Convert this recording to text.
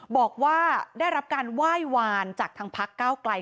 บอกว่าได้รับการไหว้วานจากทางพักเก้าไกล